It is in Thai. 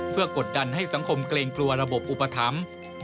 เพื่อกดดันให้สังคมเกรงกลัวระบบอุปถัมภ์